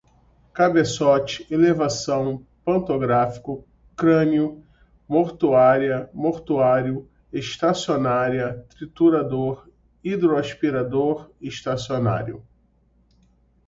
cabeçote, elevação, pantográfico, craniano, mortuária, mortuário, estacionária, triturador, hidroaspirador, estacionário